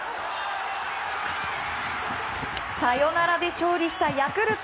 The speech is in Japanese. サヨナラで勝利したヤクルト。